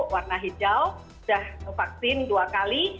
warna hijau sudah vaksin dua kali